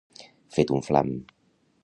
Fet un flam.